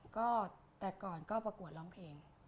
ก็แต่ก่อนก็ประกวดร้องเพลง